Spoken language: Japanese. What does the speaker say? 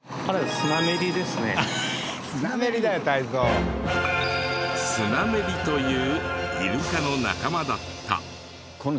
スナメリというイルカの仲間だった。